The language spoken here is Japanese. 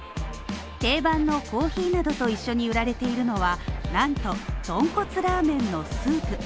定番のコーヒーなどと一緒に売られているのは、なんと、とんこつラーメンのスープ